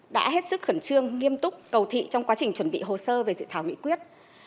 đã hết sức khẩn trương nghiêm túc cầu thị trong quá trình chuẩn bị hồ sơ về dự thảo nghị quyết